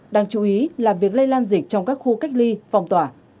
đáng chú ý là việc lây lan dịch trong các khu cách ly phong tỏa